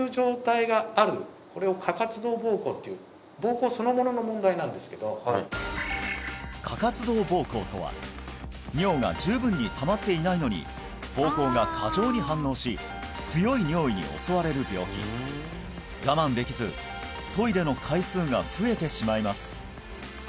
あっはいっていう膀胱そのものの問題なんですけど過活動膀胱とは尿が十分にたまっていないのに膀胱が過剰に反応し強い尿意に襲われる病気我慢できずトイレの回数が増えてしまいます